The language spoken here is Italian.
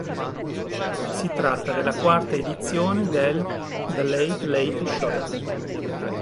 Si tratta della quarta edizione del "The Late Late Show".